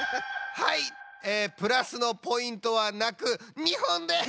はいえプラスのポイントはなく２ほんです！